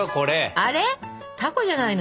あれたこじゃないの？